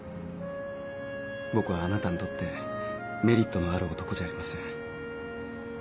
僕はあなたにとってメリットのある男じゃありません。